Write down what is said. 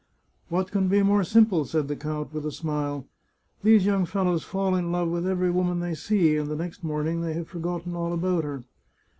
"What can be more simple ?" said the count, with a smile. " These young fellows fall in love with every woman they see, and the next morning they have forgotten all about her.